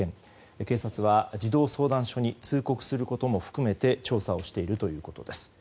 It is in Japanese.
警察は児童相談所に通告することも含めて調査をしているということです。